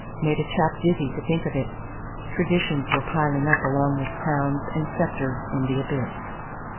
Made a chap dizzy to think of it. Traditions were piling up along with crowns and sceptres in the abyss.